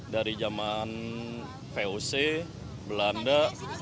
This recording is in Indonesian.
dari zaman voc belanda